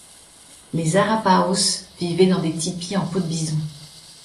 Les Arapahos vivaient dans des tipis en peau de bison.